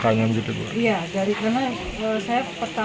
harapan ibu ke perguruan sendiri seperti apa